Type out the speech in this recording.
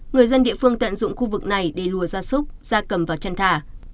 người dân địa phương tận dụng khu vực này để lùa ra súc ra cầm và chăn thả